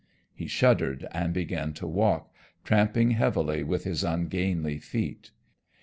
He shuddered and began to walk, tramping heavily with his ungainly feet.